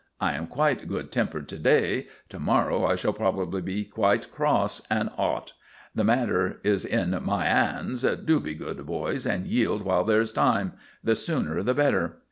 I am quite good tempered to day. To morrow I shall probably be quite cross and 'ot. The matter is in my 'ands. Do be good boys and yield while there is time. The sooner the better."